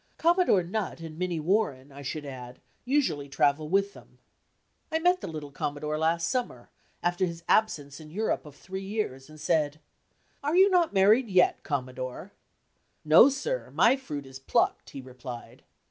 Commodore Nutt and Minnie Warren, I should add, usually travel with them. I met the little Commodore last summer, after his absence in Europe of three years, and said: "Are you not married yet, Commodore?" "No, sir; my fruit is plucked," he replied.